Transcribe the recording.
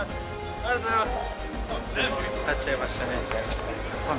ありがとうございます。